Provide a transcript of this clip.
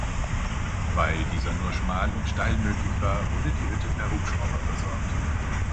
Weil dieser nur schmal und steil möglich war, wurde die Hütte per Hubschrauber versorgt.